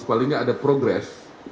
paling gak ada progress